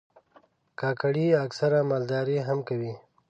کاکړي اکثره مالداري هم کوي.